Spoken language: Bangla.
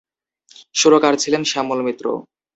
সুরকার ছিলেন শ্যামল মিত্র।